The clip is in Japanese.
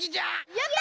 やった！